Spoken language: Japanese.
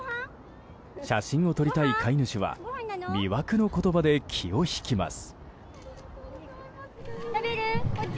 写真を撮りたい飼い主は魅惑の言葉で気を引きます。